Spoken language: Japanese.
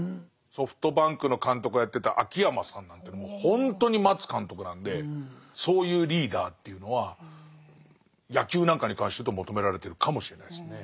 ソフトバンクの監督をやってた秋山さんなんていうのもほんとに待つ監督なんでそういうリーダーっていうのは野球なんかに関して言うと求められてるかもしれないですね。